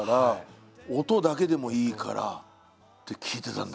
音だけでもいいからって聞いてたんだ。